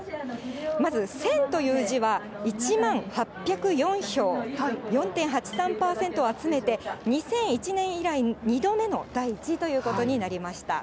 まず、戦という字は１万８０４票、４．８３％を集めて、２００１年以来、２度目の第１位ということになりました。